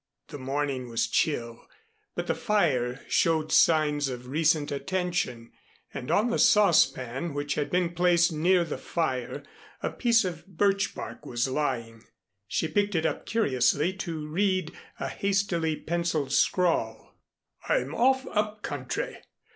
The morning was chill, but the fire showed signs of recent attention and on the saucepan which had been placed near the fire a piece of birch bark was lying. She picked it up curiously to read a hastily pencilled scrawl: "I'm off up country.